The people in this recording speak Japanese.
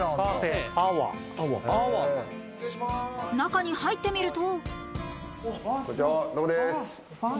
中に入ってみると。